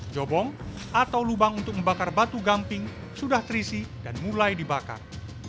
jobong atau lubang untuk membakar batu gamping sudah terisi dan mulai dibakar